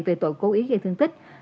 về tội cố ý gây thương tích